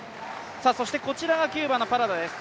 こちらがキューバのパラダです。